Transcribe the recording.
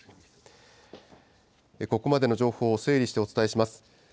ここまでの情報を整理してお伝えします。